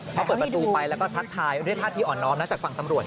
พอเปิดประตูไปแล้วก็ทักทายด้วยท่าทีอ่อนน้อมนะจากฝั่งตำรวจ